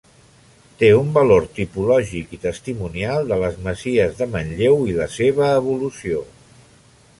Té un valor tipològic i testimonial de les masies de Manlleu i la seva evolució.